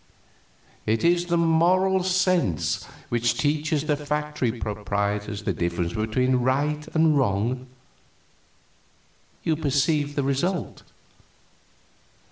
It is the Moral Sense which teaches the factory proprietors the difference between right and wrong you perceive the result.